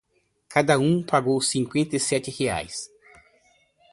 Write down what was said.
Cada um pagou cinquenta e sete reais.